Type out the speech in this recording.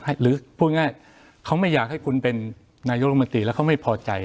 หรือพูดง่ายเขาไม่อยากให้คุณเป็นนายกรมนตรีแล้วเขาไม่พอใจ